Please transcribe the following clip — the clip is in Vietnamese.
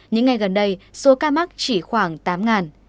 những ngày gần đây số ca mắc chỉ khoảng tám